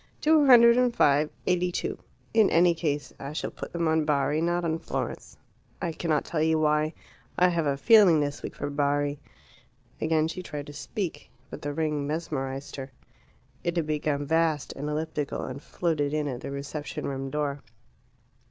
"Two hundred and five eighty two. In any case I shall put them on Bari, not on Florence. I cannot tell you why; I have a feeling this week for Bari." Again she tried to speak. But the ring mesmerized her. It had become vast and elliptical, and floated in at the reception room door.